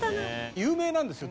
有名なんですよ。